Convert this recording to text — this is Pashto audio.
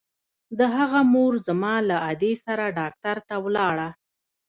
د هغه مور زما له ادې سره ډاکتر ته ولاړه.